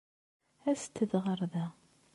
Aset-d ɣer da.